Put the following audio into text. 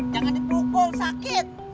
jangan dipukul sakit